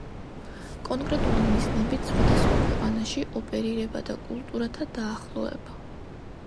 კონკრეტული მიზნებით სხვადასხვა ქვეყანაში ოპერირება დ კულტურათა დაახლოება